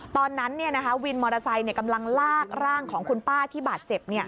ตอนนั้นวินมอเตอร์ไซค์กำลังลากร่างของคุณป้าที่บาดเจ็บ